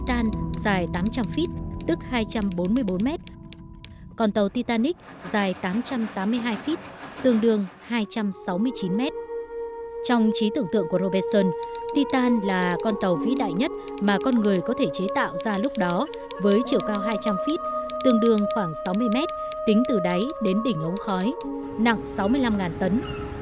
trong trí tưởng tượng của robertson titan là con tàu vĩ đại nhất mà con người có thể chế tạo ra lúc đó với chiều cao hai trăm linh feet tương đương khoảng sáu mươi mét tính từ đáy đến đỉnh ống khói nặng sáu mươi năm tấn